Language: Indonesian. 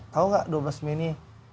tahu gak dua belas mei ini